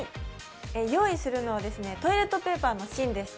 用意するのはトイレットペーパーの芯です。